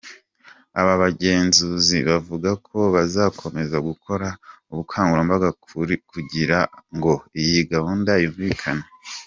Aba bagenzuzi bavuga ko bazakomeza gukora ubukangurambaga kugira ngo iyi gahunda yumvikane.